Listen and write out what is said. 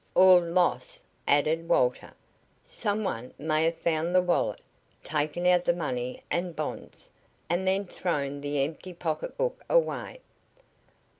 "Or loss," added Walter. "Some one may have found the wallet, taken out the money and bonds, and then thrown the empty pocketbook away."